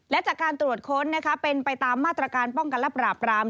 และจากการตรวจค้นเป็นไปตามมาตรการป้องกันและปราบราม